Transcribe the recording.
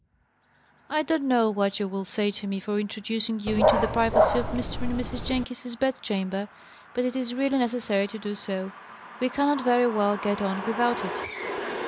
I don't know what you will say to me for introducing you into the privacy of Mr. and Mrs. Jenkins's bed chamber, but it is really necessary to do so. We cannot very well get on without it.